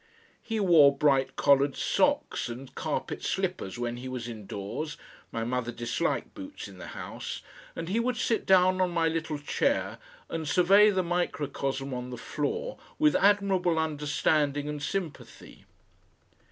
He wore bright coloured socks and carpet slippers when he was indoors my mother disliked boots in the house and he would sit down on my little chair and survey the microcosm on the floor with admirable understanding and sympathy.